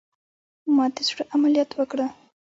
ما د زړه عملیات وکړه